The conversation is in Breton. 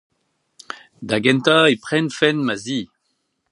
Da gentañ e prenfen ma zi.